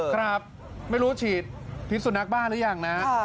ครับไม่รู้ฉีดพิษสุนัขบ้าหรือยังนะ